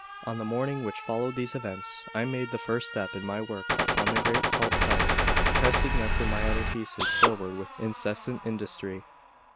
XVIII ON the morning which followed these events, I made the first step in my work upon the great salt cellar, pressing this and my other pieces forward with incessant industry.